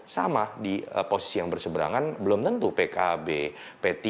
sama di posisi yang berseberangan belum tentu pkb p tiga nasdem dan partai partai